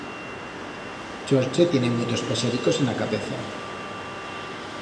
Chorche tiene muitos paixaricos en a capeza.